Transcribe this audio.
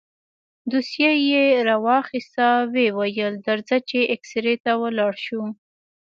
دوسيه يې راواخيسته ويې ويل درځه چې اكسرې ته ولاړ شو.